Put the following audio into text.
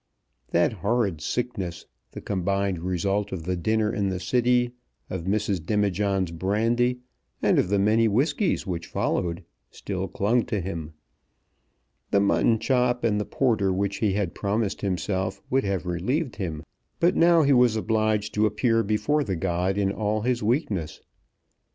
That horrid sickness, the combined result of the dinner in the City, of Mrs. Demijohn's brandy, and of the many whiskies which followed, still clung to him. The mutton chop and porter which he had promised himself would have relieved him; but now he was obliged to appear before the god in all his weakness.